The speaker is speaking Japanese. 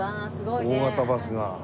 大型バスが。